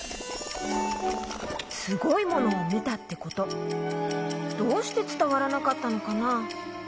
すごいものをみたってことどうしてつたわらなかったのかな？